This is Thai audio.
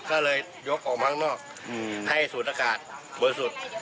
ก็เลยยกออกมาข้างนอกให้สูดอากาศบริสุทธิ์